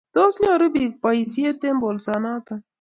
tos nyoru biik boisiet eng' bolset noto?